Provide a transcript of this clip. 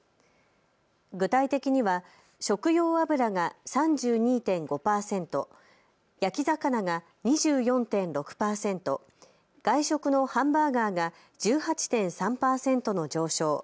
具体的には食用油が３２．５％、焼き魚が２４．６％、外食のハンバーガーが１８．３％の上昇。